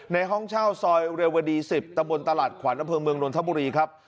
ในห้องเช่าซอยเรียวดีสิบตะบลตลัดขวานพลเมืองนทบุรีครับ